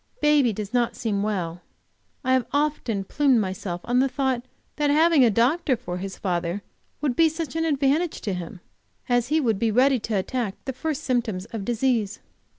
Baby does not seem well. I have often plumed myself on the thought that having a doctor for his father would be such an advantage to him, as he would be ready 'to attack the first symptoms of disease.